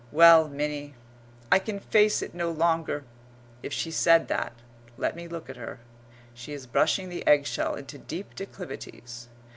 Well, Minnie "I can face it no longer." If she said that (Let me look at her. She is brushing the eggshell into deep declivities).